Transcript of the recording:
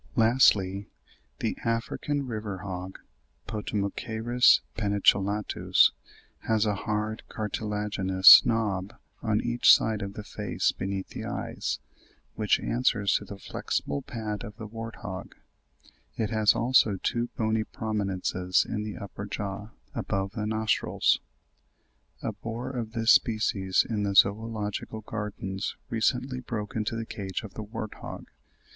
Lastly, the African river hog (Potomochoerus penicillatus) has a hard cartilaginous knob on each side of the face beneath the eyes, which answers to the flexible pad of the wart hog; it has also two bony prominences on the upper jaw above the nostrils. A boar of this species in the Zoological Gardens recently broke into the cage of the wart hog.